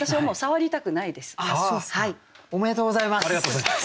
ありがとうございます。